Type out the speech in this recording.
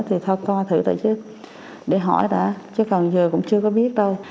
thì thôi coi thử thôi chứ để hỏi đã chứ còn giờ cũng chưa có biết đâu